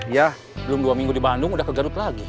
ya belum dua minggu di bandung udah ke garut lagi